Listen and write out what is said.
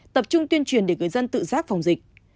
tập trung tuyên truyền để người dân tự giác phòng dịch